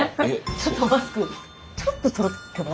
ちょっとマスクちょっと取ってもらえます？